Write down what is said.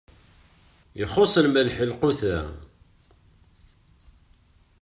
Ixuṣṣ lmelḥ lqut-a.